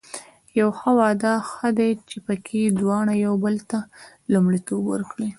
یو ښه واده هغه دی چې پکې دواړه یو بل ته لومړیتوب ورکړي.